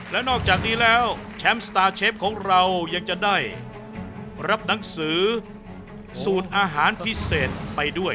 และนอกจากนี้แล้วแชมป์สตาร์เชฟของเรายังจะได้รับหนังสือสูตรอาหารพิเศษไปด้วย